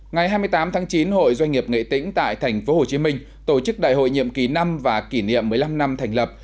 ngày hai mươi tám tháng chín hội doanh nghiệp nghệ tĩnh tại tp hcm tổ chức đại hội nhiệm kỳ năm và kỷ niệm một mươi năm năm thành lập